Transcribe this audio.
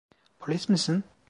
Polis misin?